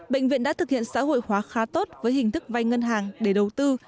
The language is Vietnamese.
bệnh viện đã thực hiện xã hội hóa khá tốt với hình thức vay ngân hàng để đầu tư